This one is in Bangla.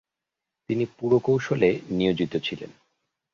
তিনি পুরকৌশলে নিয়োজিত ছিলেন।